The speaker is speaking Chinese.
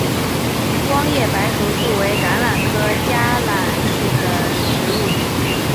光叶白头树为橄榄科嘉榄属的植物。